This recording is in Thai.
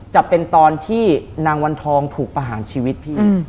จะเป็นตอนที่นางวันทองถูกประหารชีวิตพี่